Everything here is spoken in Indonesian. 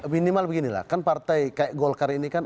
minimal beginilah kan partai kayak golkar ini kan